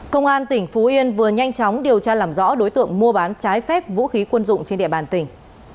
công an tỉnh phú yên vừa nhanh chóng điều tra làm rõ đối tượng mua bán trái phép vũ khí quân dụng trên địa bàn tỉnh